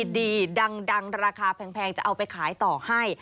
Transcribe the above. ดีดังราคาแพงจะเอาไปขายต่อให้